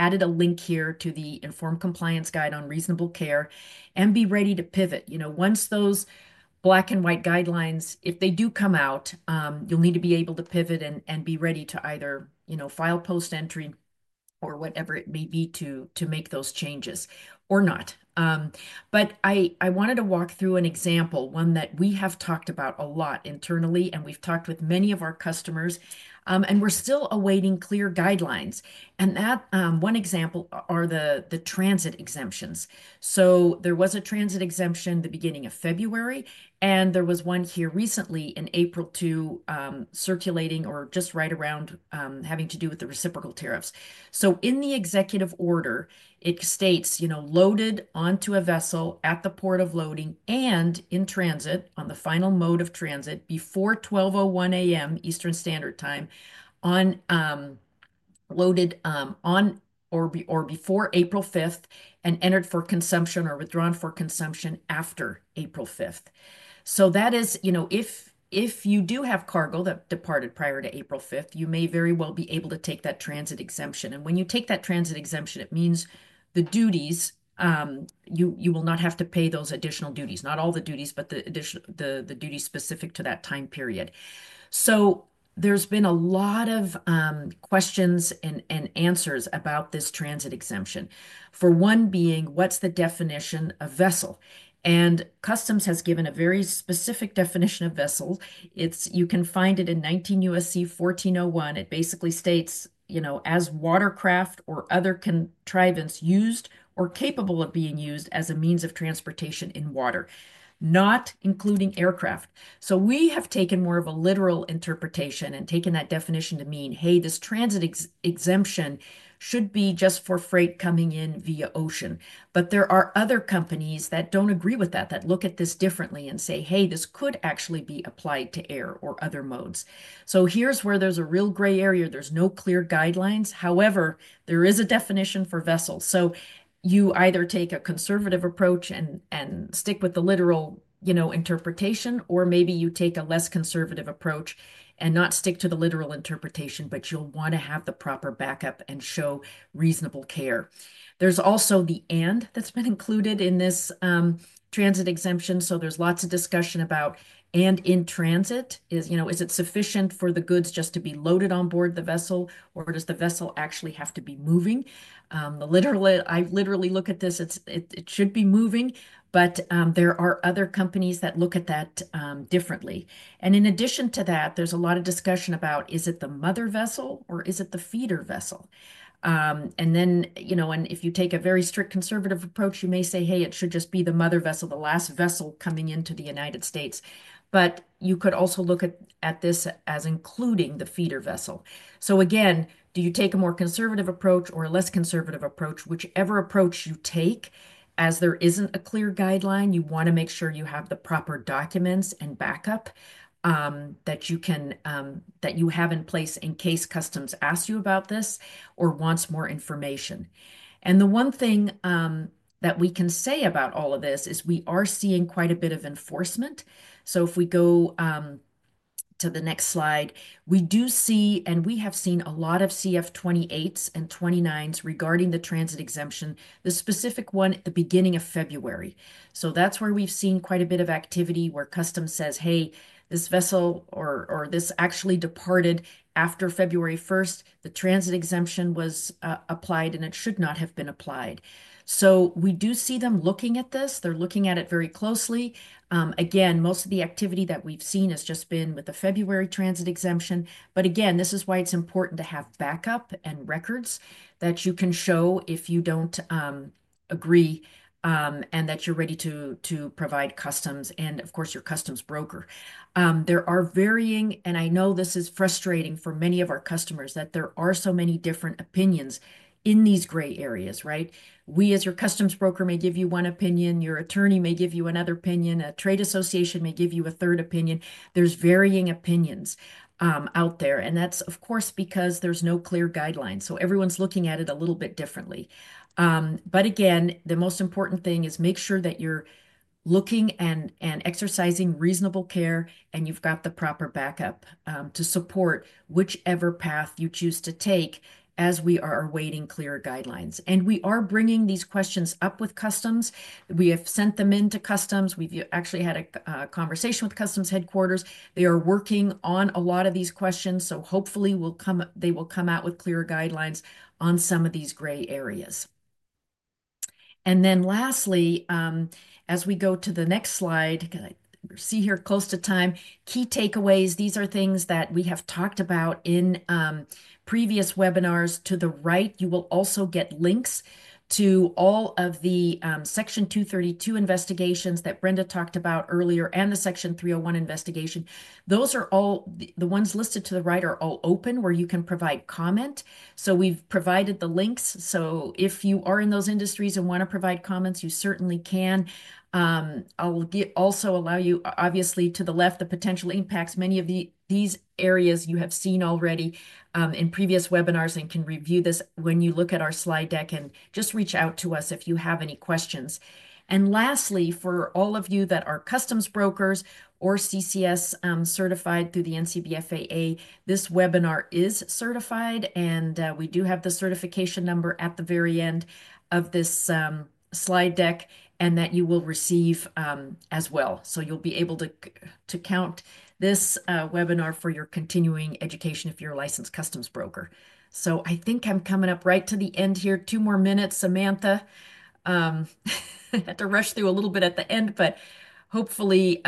added a link here to the informed compliance guide on reasonable care and be ready to pivot. Once those black and white guidelines, if they do come out, you'll need to be able to pivot and be ready to either file post-entry or whatever it may be to make those changes or not. I wanted to walk through an example, one that we have talked about a lot internally, and we've talked with many of our customers, and we're still awaiting clear guidelines. One example are the transit exemptions. There was a transit exemption at the beginning of February, and there was one here recently in April circulating or just right around having to do with the reciprocal tariffs. In the executive order, it states, "Loaded onto a vessel at the port of loading and in transit on the final mode of transit before 12:01 A.M. Eastern Standard Time on or before April 5th and entered for consumption or withdrawn for consumption after April 5th." That is, if you do have cargo that departed prior to April 5th, you may very well be able to take that transit exemption. When you take that transit exemption, it means the duties, you will not have to pay those additional duties, not all the duties, but the duties specific to that time period. There has been a lot of questions and answers about this transit exemption. For one being, what's the definition of vessel? Customs has given a very specific definition of vessels. You can find it in 19 USC 1401. It basically states, "As watercraft or other contrivance used or capable of being used as a means of transportation in water, not including aircraft." We have taken more of a literal interpretation and taken that definition to mean, "Hey, this transit exemption should be just for freight coming in via ocean." There are other companies that do not agree with that, that look at this differently and say, "Hey, this could actually be applied to air or other modes." Here is where there is a real gray area. There are no clear guidelines. However, there is a definition for vessels. You either take a conservative approach and stick with the literal interpretation, or maybe you take a less conservative approach and not stick to the literal interpretation, but you will want to have the proper backup and show reasonable care. There is also the and that has been included in this transit exemption. There is lots of discussion about, and in transit, is it sufficient for the goods just to be loaded on board the vessel, or does the vessel actually have to be moving? I literally look at this. It should be moving, but there are other companies that look at that differently. In addition to that, there is a lot of discussion about, is it the mother vessel or is it the feeder vessel? If you take a very strict conservative approach, you may say, "Hey, it should just be the mother vessel, the last vessel coming into the United States." You could also look at this as including the feeder vessel. Again, do you take a more conservative approach or a less conservative approach? Whichever approach you take, as there isn't a clear guideline, you want to make sure you have the proper documents and backup that you have in place in case customs asks you about this or wants more information. The one thing that we can say about all of this is we are seeing quite a bit of enforcement. If we go to the next slide, we do see, and we have seen a lot of CF28s and 29s regarding the transit exemption, the specific one at the beginning of February. That is where we've seen quite a bit of activity where customs says, "Hey, this vessel or this actually departed after February 1,st the transit exemption was applied, and it should not have been applied." We do see them looking at this. They're looking at it very closely. Again, most of the activity that we've seen has just been with the February transit exemption. This is why it's important to have backup and records that you can show if you don't agree and that you're ready to provide customs and, of course, your customs broker. There are varying, and I know this is frustrating for many of our customers, that there are so many different opinions in these gray areas, right? We, as your customs broker, may give you one opinion. Your attorney may give you another opinion. A trade association may give you a third opinion. There are varying opinions out there. That's, of course, because there's no clear guidelines. Everyone's looking at it a little bit differently. The most important thing is make sure that you're looking and exercising reasonable care and you've got the proper backup to support whichever path you choose to take as we are awaiting clear guidelines. We are bringing these questions up with customs. We have sent them in to customs. We've actually had a conversation with customs headquarters. They are working on a lot of these questions. Hopefully, they will come out with clear guidelines on some of these gray areas. Lastly, as we go to the next slide, see here close to time, key takeaways. These are things that we have talked about in previous webinars. To the right, you will also get links to all of the Section 232 investigations that Brenda talked about earlier and the Section 301 investigation. Those are all the ones listed to the right are all open where you can provide comment. We have provided the links. If you are in those industries and want to provide comments, you certainly can. I will also allow you, obviously, to the left, the potential impacts. Many of these areas you have seen already in previous webinars and can review this when you look at our slide deck and just reach out to us if you have any questions. Lastly, for all of you that are customs brokers or CCS certified through the NCBFAA, this webinar is certified. We do have the certification number at the very end of this slide deck and that you will receive as well. You will be able to count this webinar for your continuing education if you are a licensed customs broker. I think I'm coming up right to the end here. Two more minutes, Samantha. Had to rush through a little bit at the end, but hopefully.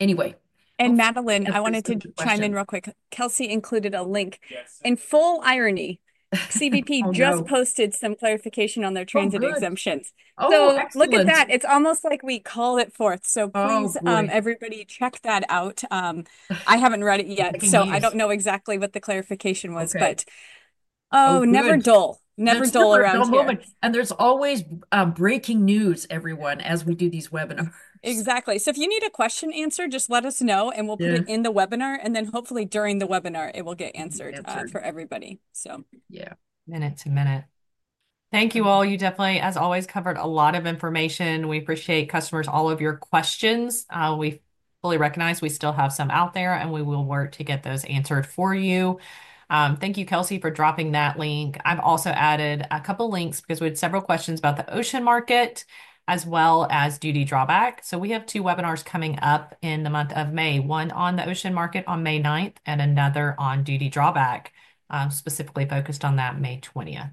Anyway. Madeline, I wanted to chime in real quick. Kelsey included a link. In full irony, CBP just posted some clarification on their transit exemptions. Look at that. It's almost like we call it forth. Please, everybody check that out. I haven't read it yet, so I don't know exactly what the clarification was, but never dull. Never dull around. There's always breaking news, everyone, as we do these webinars. Exactly. If you need a question answered, just let us know and we'll put it in the webinar. Hopefully during the webinar, it will get answered for everybody. Yeah. Minute to minute. Thank you all. You definitely, as always, covered a lot of information. We appreciate customers' all of your questions. We fully recognize we still have some out there and we will work to get those answered for you. Thank you, Kelsey, for dropping that link. I have also added a couple of links because we had several questions about the ocean market as well as duty drawback. We have two webinars coming up in the month of May, one on the ocean market on May 9th and another on duty drawback, specifically focused on that May 20th.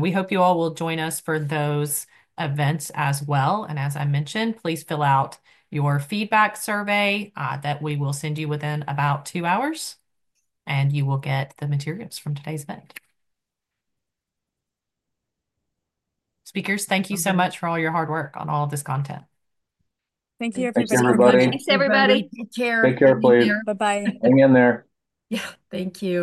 We hope you all will join us for those events as well. As I mentioned, please fill out your feedback survey that we will send you within about two hours. You will get the materials from today's event. Speakers, thank you so much for all your hard work on all of this content. Thank you, everybody. Thanks, everybody. Take care. Take care, please. Bye-bye. Hang in there. Yeah. Thank you.